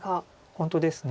本当ですね。